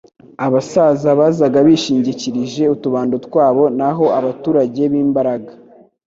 Abasaza bazaga bishingikirije utubando twabo naho abaturage b'imbaraga